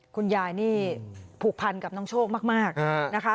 คุณยายนี่ผูกพันกับน้องโชคมากนะคะ